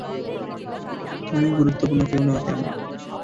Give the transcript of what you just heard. তুমি গুরুত্বপূর্ণ কেউ নও তেমন।